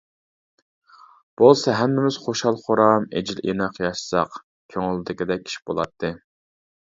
بولسا ھەممىمىز خۇشال-خۇرام، ئېجىل-ئىناق ياشىساق كۆڭۈلدىكىدەك ئىش بولاتتى.